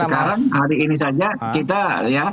sekarang hari ini saja